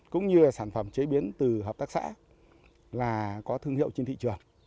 cũng như sản phẩm chế biến từ hợp tác xã là có thương hiệu trên thị trường